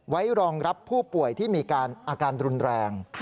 ไว้รองรับผู้ป่วยที่มีอาการรุนแรง